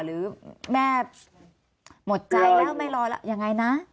หรือแม่หมดใจแล้วไม่รอแล้วยังไงนะ